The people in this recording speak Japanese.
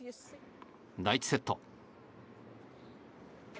第１セット。